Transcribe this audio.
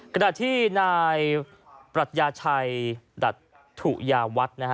กระดาษที่นายปรัชญาชัยดัตถุยาวัฒน์